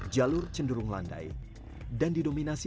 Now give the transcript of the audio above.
jalur yang terakhir adalah jalur yang terakhir